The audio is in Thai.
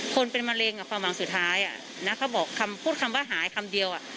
คนเป็นมะเร็งความหวังสุดท้ายแล้วเขาบอกคำพูดคำว่าหายคำเดียว